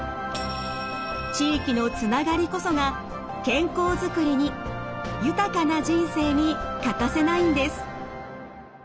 地域のつながりこそが健康作りに豊かな人生に欠かせないんです。